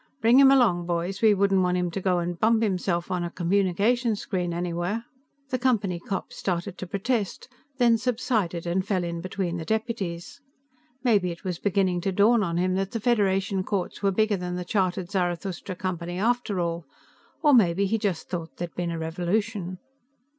Bring him along, boys; we wouldn't want him to go and bump himself on a communication screen anywhere." The Company cop started to protest, then subsided and fell in between the deputies. Maybe it was beginning to dawn on him that the Federation courts were bigger than the chartered Zarathustra Company after all. Or maybe he just thought there'd been a revolution.